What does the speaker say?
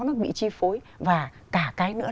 nó bị chi phối và cả cái nữa